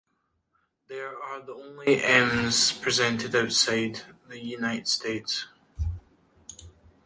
They are the only Emmys presented outside the United States.